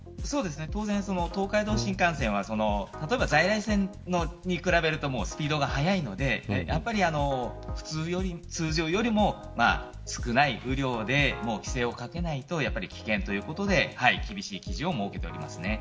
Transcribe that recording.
当然、東海道新幹線は在来線に比べるとスピードが速いのでやっぱり通常より少ない雨量でも規制をかけないと危険ということで厳しい基準を設けています。